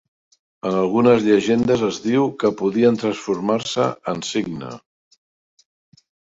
En algunes llegendes es diu que podien transformar-se en cigne.